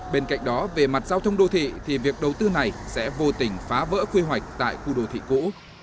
bên cạnh đó về mặt giao thông đô thị thì việc đầu tư này sẽ vô tình phá vỡ quy hoạch tại khu đô thị cũ